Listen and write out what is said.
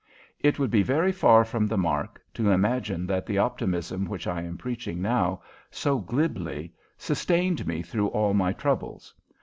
It would be very far from the mark to imagine that the optimism which I am preaching now so glibly sustained me through all my troubles.